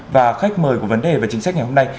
và khách mời của vấn đề về chính sách ngày hôm nay